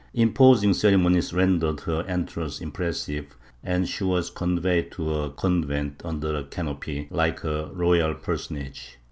Impos ing ceremonies rendered her entrance impressive, and she was conveyed to her convent under a canopy, like a royal personage.